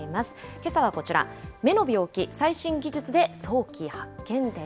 けさはこちら、目の病気、最新技術で早期発見です。